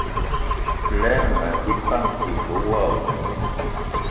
Lerma epan ive wo aboum.